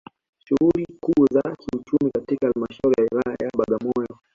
Shughuli kuu za kiuchumi katika Halmashauri ya Wilaya ya Bagamoyo